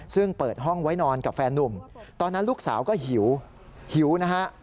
ซึ่งเปิดห้องไว้นอนกับแฟนนุ่มตอนนั้นลูกสาวก็หิวหิวนะฮะ